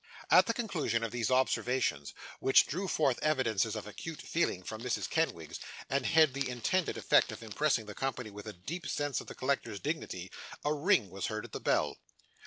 At the conclusion of these observations, which drew forth evidences of acute feeling from Mrs. Kenwigs, and had the intended effect of impressing the company with a deep sense of the collector's dignity, a ring was heard at the bell.